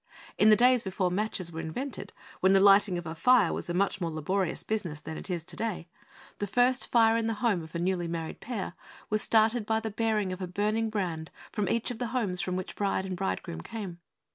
In the days before matches were invented, when the lighting of a fire was a much more laborious business than it is to day, the first fire in the home of a newly married pair was started by the bearing of a burning brand from each of the homes from which bride and bridegroom came.